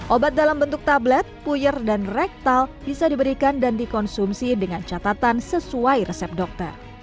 obat dalam bentuk tablet puyir dan rektal bisa diberikan dan dikonsumsi dengan catatan sesuai resep dokter